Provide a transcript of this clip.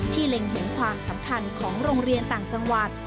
เล็งเห็นความสำคัญของโรงเรียนต่างจังหวัด